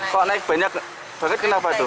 kok naik banyak banget kenapa itu